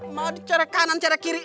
mau di cara kanan cara kiri